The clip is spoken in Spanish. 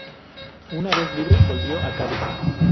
Una vez libre, volvió a Cádiz.